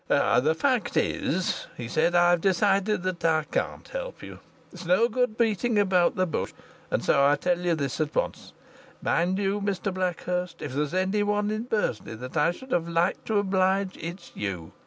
"The fact is," he said, "I've decided that I can't help you. It's no good beating about the bush, and so I tell you this at once. Mind you, Mr Blackhurst, if there's anyone in Bursley that I should have liked to oblige, it's you.